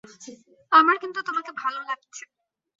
আমার কিন্তু তোমাকে ভালো লাগছে।